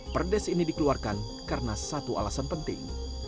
perdes ini dikeluarkan karena satu alasan penting